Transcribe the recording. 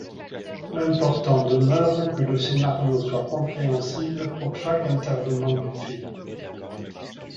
L'important demeure que le scénario soit compréhensible pour chaque intervenant du film.